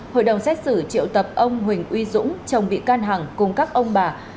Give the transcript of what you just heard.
hội đồng xét xử triệu tập ông huỳnh uy dũng chồng bị can hằng cùng các ông bà